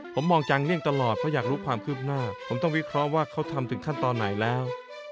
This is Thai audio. ผมมองจางเลี่ยงตลอดเพราะอยากรู้ความคืบหน้าผมต้องวิเคราะห์ว่าเขาทำถึงขั้นตอนไหนแล้ว